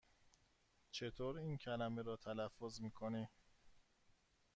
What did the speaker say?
چطور این کلمه را تلفظ می کنی؟